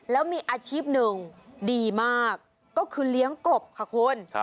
แล้วมีอาชีพหนึ่งดีมากก็คือเลี้ยงกบค่ะคุณ